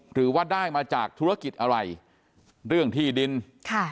หรือว่าได้มาจากธุรกิจอะไรเรื่องที่ดินค่ะ